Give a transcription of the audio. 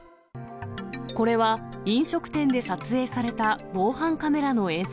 これは、飲食店で撮影された防犯カメラの映像。